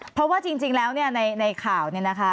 เพราะว่าจริงแล้วเนี่ยในข่าวเนี่ยนะคะ